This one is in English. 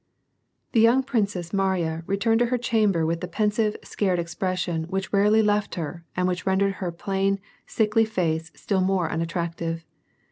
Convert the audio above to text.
The young Princess Mariya, returned to her chamber with the pensive, scared expression which rarely left her, and which rendered her plain, sickly face still more unattractive.